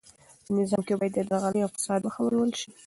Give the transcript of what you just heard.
په نظام کې باید د درغلۍ او فساد مخه ونیول سي.